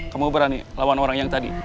kamu berani lawan orang yang tadi